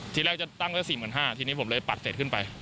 ทีแรกจะตั้งก็๔๕๐๐๐บาททีนี้ผมเลยปัดเศษขึ้นไป